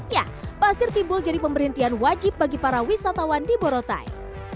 ya pasir timbul jadi pemberhentian wajib bagi para wisatawan di borotai